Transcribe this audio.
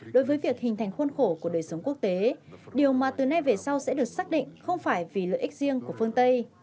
đối với việc hình thành khuôn khổ của đời sống quốc tế điều mà từ nay về sau sẽ được xác định không phải vì lợi ích riêng của phương tây